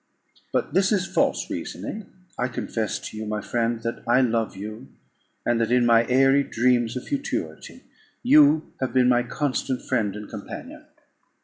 But this is false reasoning. I confess to you, my friend, that I love you, and that in my airy dreams of futurity you have been my constant friend and companion.